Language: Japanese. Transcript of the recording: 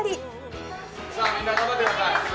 さあみんな頑張ってください！